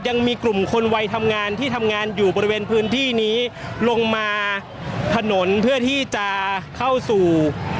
ยังมีกลุ่มคนวัยทำงานที่ทำงานอยู่บริเวณพื้นที่นี้ลงมาถนนเพื่อที่จะเข้าสู่